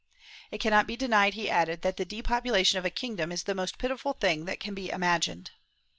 It cannot be denied, he added, that the depopulation of a kingdom is the most pitiful thing that can be imagined.